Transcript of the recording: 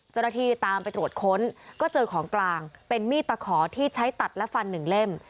เจ้าหน้าที่ตามไปตรวจค้นก็เจอของกลางเป็นมีดตะขอที่ใช้ตัดและฟันหนึ่งเล่ม